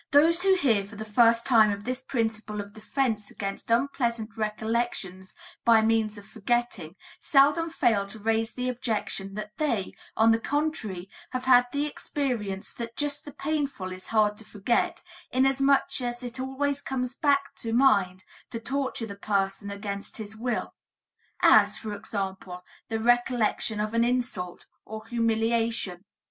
Those who hear for the first time of this principle of defense against unpleasant recollections by means of forgetting, seldom fail to raise the objection that they, on the contrary, have had the experience that just the painful is hard to forget, inasmuch as it always comes back to mind to torture the person against his will as, for example, the recollection of an insult or humiliation.